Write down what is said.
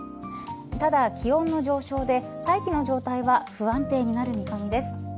ただ、気温の上昇で大気の状態は不安定になる見込みです。